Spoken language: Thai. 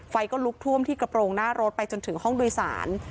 ก็ลุกท่วมที่กระโปรงหน้ารถไปจนถึงห้องโดยสาร